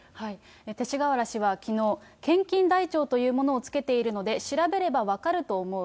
勅使河原氏はきのう、献金台帳というものをつけているので、調べれば分かると思う。